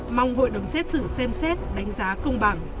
mong hội đồng xét xử xem xét đánh giá công bằng